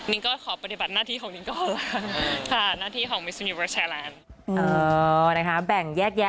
นิ้งก็ขอปฏิบัติหน้าที่ของนิ้งก็เอาล่ะค่ะ